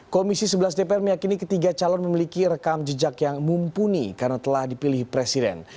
komisi sebelas dpr meyakini ketiga calon memiliki rekam jejak yang mumpuni karena telah dipilih presiden